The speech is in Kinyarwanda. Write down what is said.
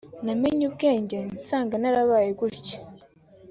Namenye ubwenge nsanga narabaye gutya